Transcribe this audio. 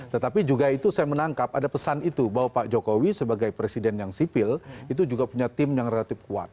tetapi juga itu saya menangkap ada pesan itu bahwa pak jokowi sebagai presiden yang sipil itu juga punya tim yang relatif kuat